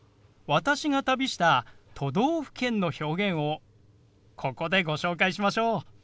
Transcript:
私が旅した都道府県の表現をここでご紹介しましょう。